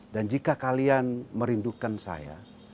dan jika kalian merindukan saya